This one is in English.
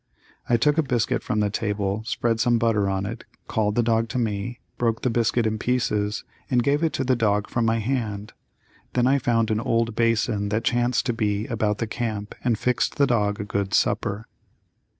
I took a biscuit from the table, spread some butter on it, called the dog to me, broke the biscuit in pieces, and gave it to the dog from my hand; then I found an old basin that chanced to be about the camp and fixed the dog a good supper.